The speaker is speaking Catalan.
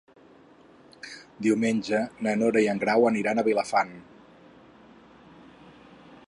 Diumenge na Nora i en Grau aniran a Vilafant.